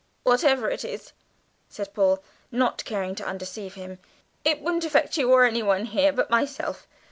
"Whatever it is," said Paul, not caring to undeceive him, "it won't affect you or anyone here, but myself.